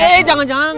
eh jangan jangan